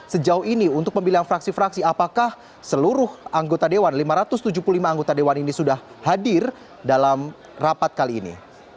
sejauh ini untuk pemilihan fraksi fraksi apakah seluruh anggota dewan lima ratus tujuh puluh lima anggota dewan ini sudah hadir dalam rapat kali ini